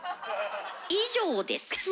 以上ですぅ。